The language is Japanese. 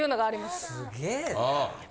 すげえな。